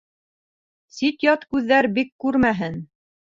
Сит-ят күҙҙәр бик күрмәһен.